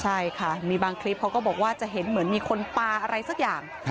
ใช่ค่ะมีบางคลิปเขาก็บอกว่าจะเห็นเหมือนมีคนปลาอะไรสักอย่าง